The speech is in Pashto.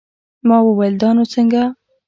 ما وويل دا نو څنگه.